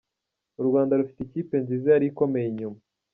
U Rwanda rufite ikipe nziza yari ikomeye inyuma.